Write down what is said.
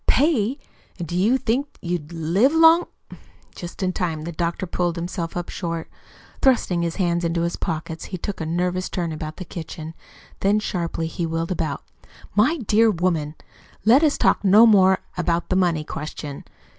"Pay! And do you think you'd live long " Just in time the doctor pulled himself up short. Thrusting his hands into his pockets he took a nervous turn about the kitchen; then sharply he wheeled about. "My dear woman, let us talk no more about the money question.